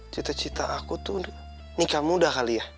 cita cita aku tuh nikah muda kali ya